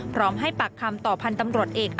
พร้อมให้ปากคำต่อพันธ์ตำรวจเอก